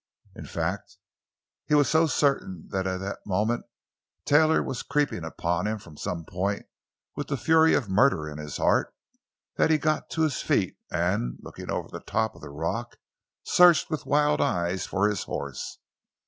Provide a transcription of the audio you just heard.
In fact, he was so certain that at that moment Taylor was creeping upon him from some point with the fury of murder in his heart, that he got to his feet and, looking over the top of the rock, searched with wild eyes for his horse.